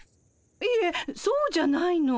いえそうじゃないの。